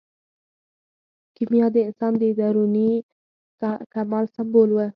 کیمیا د انسان د دروني کمال سمبول و.